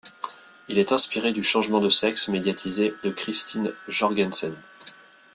Il est inspiré du changement de sexe médiatisé de Christine Jorgensen.